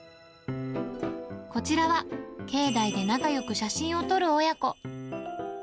こちらは境内で仲よく写真を撮る親子。